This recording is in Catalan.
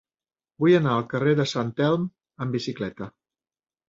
Vull anar al carrer de Sant Elm amb bicicleta.